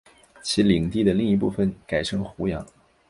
其领地的另一部分改称湖阳。